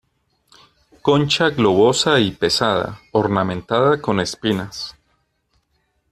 Concha globosa y pesada, ornamentada con espinas.